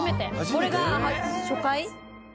これが初回。